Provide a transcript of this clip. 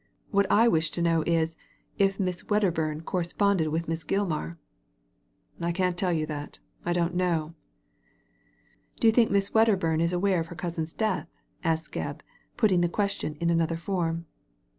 What I wish to know is, if Miss Wedderbum corresponded with Miss Oilman" " I can't tell you that : I don't know.'* " Do you think Miss Wedderbum is aware of her cousin's death?" said Gebb, putting the question in another form.